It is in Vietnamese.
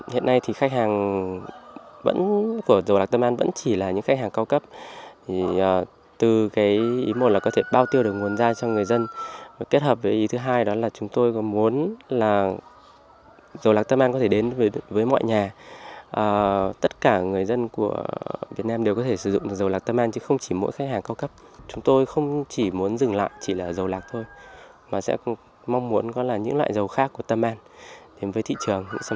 hiện nay thì khách hàng vẫn của dầu lạc tâm an vẫn chỉ là những khách hàng cao cấp từ cái ý một là có thể bao tiêu được nguồn ra cho người dân và kết hợp với ý thứ hai đó là chúng tôi có muốn là dầu lạc tâm an có thể đến với mọi nhà tất cả người dân của việt nam đều có thể sử dụng được dầu lạc tâm an chứ không chỉ mỗi khách hàng cao cấp chúng tôi không chỉ muốn dừng lại chỉ là dầu lạc thôi mà sẽ mong muốn có là những loại dầu khác của tâm an đến với thị trường